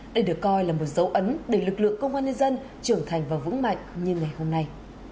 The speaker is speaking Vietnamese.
đây được coi là một dấu ấn để lực lượng công an nhân dân trưởng thành và vững mạnh như ngày hôm nay